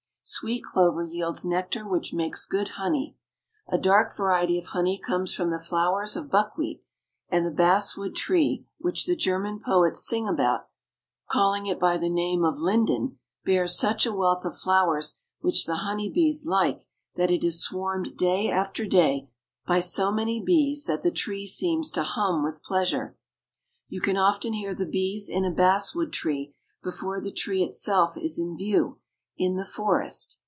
Sweet clover yields nectar which makes good honey. A dark variety of honey comes from the flowers of buckwheat, and the basswood tree which the German poets sing about, calling it by the name of linden, bears such a wealth of flowers which the honey bees like that it is swarmed day after day by so many bees that the tree seems to hum with pleasure. You can often hear the bees in a basswood tree before the tree itself is in view in the forest.